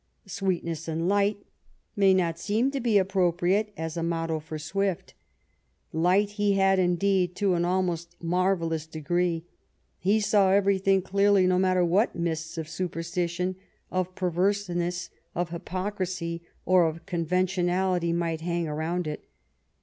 Sweetness and light may not seem to be appropriate as a motto for Swift. Light he had, indeed, to an almost marvellous degree. He saw every thing clearly, no matter what mists of superstition, of perverseness, of hypocrisy, or of conventionality might hang around it.